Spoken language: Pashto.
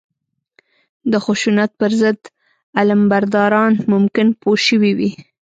د خشونت پر ضد علمبرداران ممکن پوه شوي وي